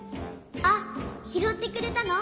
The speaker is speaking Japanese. あっひろってくれたの？